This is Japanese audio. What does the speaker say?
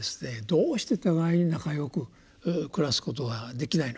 どうして互いに仲よく暮らすことができないのか。